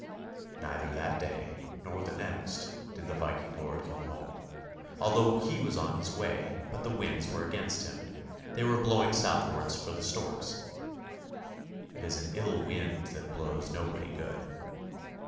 Neither that day nor the next did the Viking lord come home, although he was on his way, but the winds were against him; they were blowing southwards for the storks. " It is an ill wind that blows nobody good."